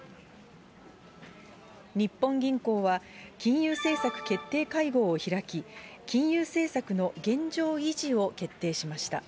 日本銀行は、金融政策決定会合を開き、金融政策の現状維持を決定しました。